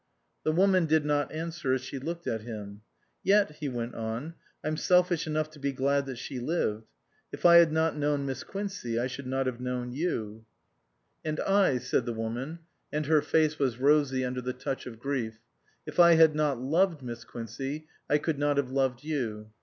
The woman did not answer as she looked at him. " Yet," he went on, " I'm selfish enough to be glad that she lived. If I had not known Miss Quincey I should not have known you." 331 SUPERSEDED "And I," said the woman, and her face was rosy under the touch of grief, "if I had not loved Miss Quincey I could not have loved you."